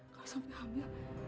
kau sampai hamil